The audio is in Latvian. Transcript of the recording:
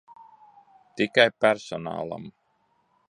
Tikai personālam.